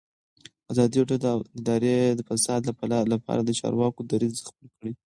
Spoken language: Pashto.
ازادي راډیو د اداري فساد لپاره د چارواکو دریځ خپور کړی.